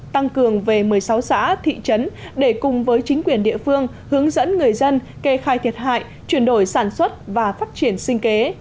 tăng cường về một mươi sáu xã thị trấn để cùng với chính quyền địa phương hướng dẫn người dân kê khai thiệt hại chuyển đổi sản xuất và phát triển sinh kế